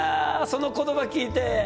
その言葉聞いて？